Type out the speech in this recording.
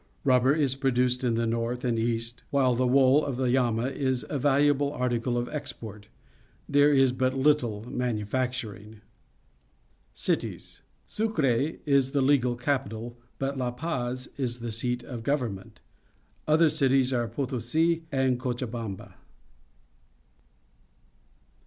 Rubber is produced in the north and east, while the wool of the llama is a valuable article of export. There is but little manufacturing. Cities. — Sucre is the legal capital, but La Paz is the seat of government. Other cities are Potosi and Cochabamba.